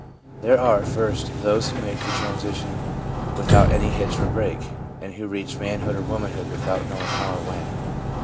There are, first, those who make the tran sition without any hitch or break, and who reach man hood or womanhood without knowing how or when.